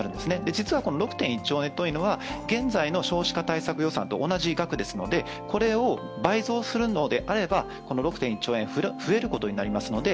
実はこの６．１兆円というのは現在の少子化対策予算と同じ額ですのでこれを倍増するのであれば６．１兆円が増えることになりますので